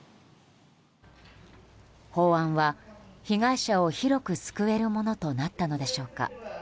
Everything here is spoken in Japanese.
法案は被害者を広く救えるものとなったのでしょうか。